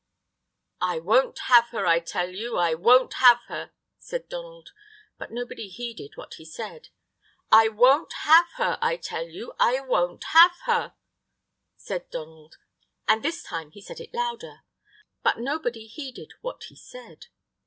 "I won't have her, I tell you; I won't have her!" said Donald. But nobody heeded what he said. "I won't have her, I tell you; I won't have her!" said Donald; and this time he said it louder; but nobody heeded what he said.